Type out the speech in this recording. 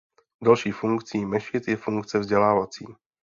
Další funkcí mešit je funkce vzdělávací.